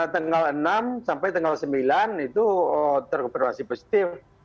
tanggal enam sampai tanggal sembilan itu terkonfirmasi positif